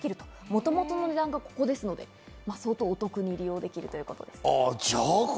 もともとの値段がこれですので、お得になるということです。